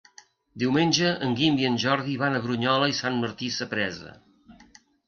Diumenge en Guim i en Jordi van a Brunyola i Sant Martí Sapresa.